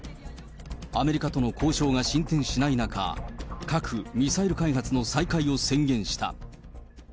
アメリカとの交渉が進展しない中、核・ミサイル開発の再開を宣言した。